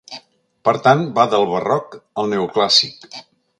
Per tant va del Barroc al Neoclàssic.